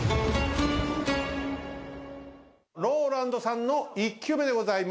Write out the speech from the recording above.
ＲＯＬＡＮＤさんの１球目でございます。